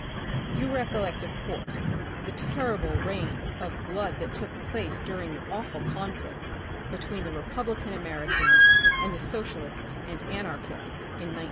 You recollect, of course, the terrible reign of 48 The Republic of the Future, blood that took place during the awful conflict between the republican Americans and the socialists and anarchists in 1900.